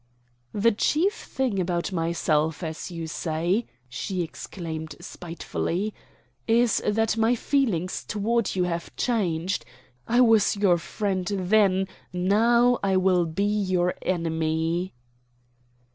"The chief thing about myself, as you say," she exclaimed spitefully, "is that my feelings toward you have changed. I was your friend then, now I will be your enemy."